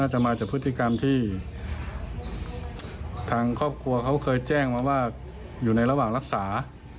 จะมาจากพฤติกรรมที่ทางครอบครัวเขาเคยแจ้งมาว่าอยู่ในระหว่างรักษา